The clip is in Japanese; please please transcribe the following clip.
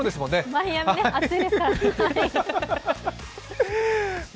マイアミ、暑いですから。